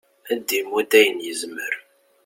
ad d-imudd ayen yezmer